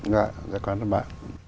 dạ rất cảm ơn bác